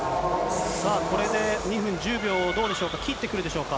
さあ、これで２分１０秒をどうでしょうか、切ってくるでしょうか。